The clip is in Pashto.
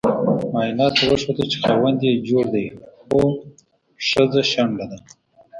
معایناتو وخوده چې خاوند یي جوړ دې خو خځه شنډه ده